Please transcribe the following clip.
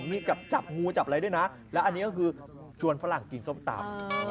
มีลาบใช่ไหมผักสดผักพื้นป้านต้องมา